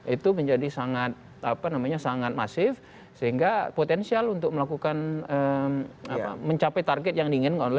itu menjadi sangat apa namanya sangat masif sehingga potensial untuk melakukan apa mencapai target yang diinginkan oleh